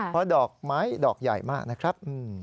เพราะดอกไม้ดอกใหญ่มากนะครับ